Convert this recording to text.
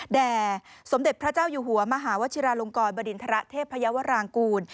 แด่สมเด็จพระเจ้าอยู่หัวมหาวชิราลงกรบริณฑระเทพยาวรางกูล